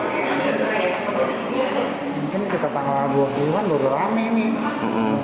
mungkin kita tanggal dua puluh an baru rame nih